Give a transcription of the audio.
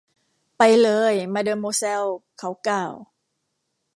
ไปเลยมาเดอโมแซล เขากล่าว